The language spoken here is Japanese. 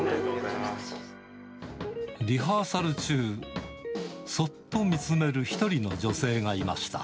リハーサル中、そっと見つめる１人の女性がいました。